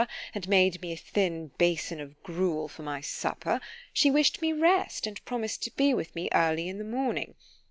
and made me a thin bason of gruel for my supper—she wish'd me rest, and promised to be with me early in the morning.